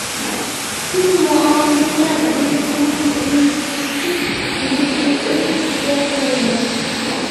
پۇل مۇئامىلە بۆلىكىنىڭ بىرىنچى كىچىك بۆلىكى ئۆز كۈچىگە تايىنىش.